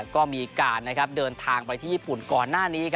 ก็มีการเดินทางไปที่ญี่ปุ่นก่อนหน้านี้